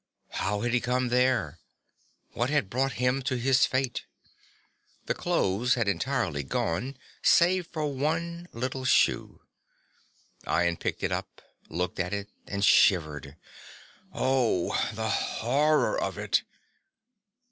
How had he come there? What had brought him to his fate? The clothes had entirely gone save one little shoe. Ian picked it up, looked at it and shivered. Oh, the horror of it!